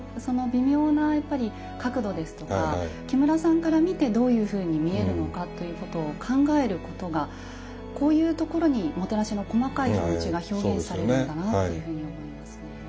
その微妙なやっぱり角度ですとか木村さんから見てどういうふうに見えるのかということを考えることがこういうところにもてなしの細かい気持ちが表現されるんだなというふうに思いますね。